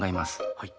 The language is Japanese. はい。